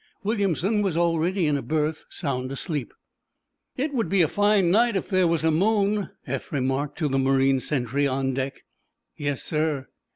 Williamson was already in a berth, sound asleep. "It would be a fine night if there was a moon," Eph remarked to the marine sentry on deck. "Yes, sir."